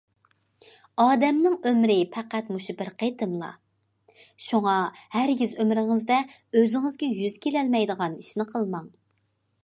ئادەمنىڭ ئۆمرى پەقەت مۇشۇ بىر قېتىملا، شۇڭا ھەرگىز ئۆمرىڭىزدە ئۆزىڭىزگە يۈز كېلەلمەيدىغان ئىشنى قىلماڭ!